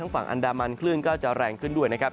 ฝั่งอันดามันคลื่นก็จะแรงขึ้นด้วยนะครับ